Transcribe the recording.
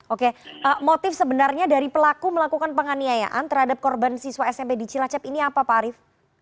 oke motif sebenarnya dari pelaku melakukan penganiayaan terhadap korban siswa smp di cilacap ini apa pak arief